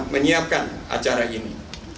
menyiapkan acara ini